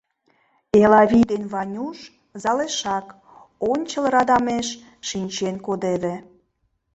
Элавий ден Ванюш залешак, ончыл радамеш, шинчен кодеве.